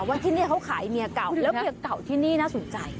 ที่นี่เขาขายเมียเก่าแล้วเมียเก่าที่นี่น่าสนใจ